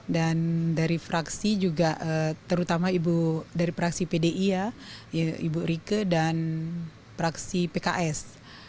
dan dari fraksi juga terutama dari fraksi pdi ya ibu rike dan fraksi pks